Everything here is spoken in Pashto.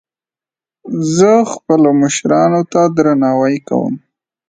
زه خپلو مشرانو ته درناوی کوم